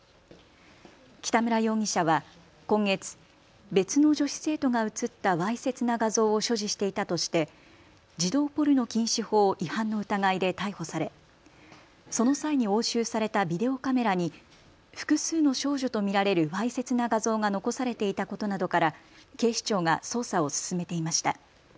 北村容疑者は今月、別の女子生徒が写ったわいせつな画像を所持していたとして児童ポルノ禁止法違反の疑いで逮捕されその際に押収されたビデオカメラに複数の少女と見られるわいせつな画像が残されていたことなどから警視庁が捜査を進めていました。